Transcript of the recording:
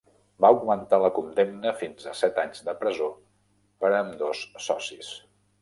Va augmentar la condemna fins a set anys de presó per a ambdós socis.